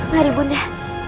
mari ibu unda